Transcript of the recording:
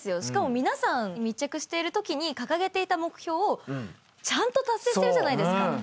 しかも皆さん密着しているときに掲げていた目標をちゃんと達成してるじゃないですか。